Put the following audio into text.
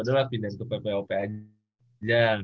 adalah pindah ke ppop aja